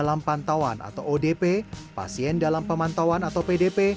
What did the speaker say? dalam pantauan atau odp pasien dalam pemantauan atau pdp